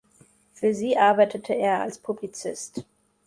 Für sie arbeitete er als Publizist.